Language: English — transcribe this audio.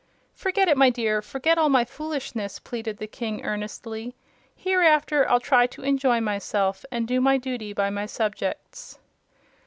"Forget it, my dear; forget all my foolishness," pleaded the King, earnestly. "Hereafter I'll try to enjoy myself and do my duty by my subjects."